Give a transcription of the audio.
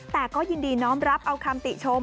แต่ก็ยินดีน้อมรับเอาคำติชม